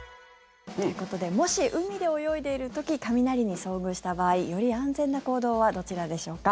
ということでもし海で泳いでいる時雷に遭遇した場合より安全な行動はどちらでしょうか？